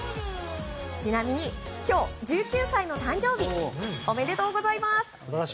ちなみに今日、１９歳の誕生日おめでとうございます。